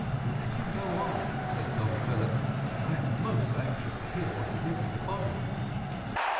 "Let him go on," said Don Philip; "I am most anxious to hear what he did with the body."